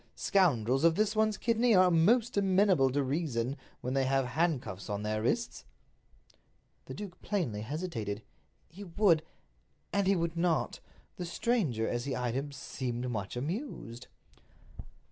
Scoundrels of this one's kidney are most amenable to reason when they have handcuffs on their wrists." The duke plainly hesitated. He would—and he would not. The stranger, as he eyed him, seemed much amused.